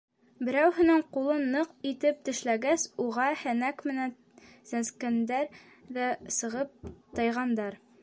Берәүһенең ҡулын ныҡ итеп тешләгәс, уға һәнәк менән сәнскәндәр ҙә сығып тайғандар.